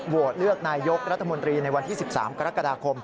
เลือกนายกรัฐมนตรีในวันที่๑๓กรกฎาคม